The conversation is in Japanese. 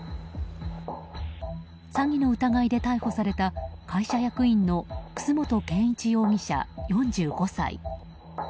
詐欺の疑いで逮捕された会社役員の楠本健一容疑者、４５歳。